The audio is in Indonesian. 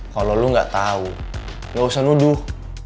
kalau lu nggak tahu nggak usah nuduh